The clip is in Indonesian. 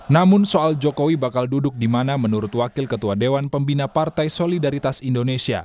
namun soal jokowi bakal duduk di mana menurut wakil ketua dewan pembina partai solidaritas indonesia